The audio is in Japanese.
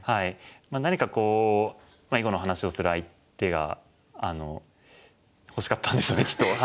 何かこう囲碁の話をする相手が欲しかったんでしょうねきっと。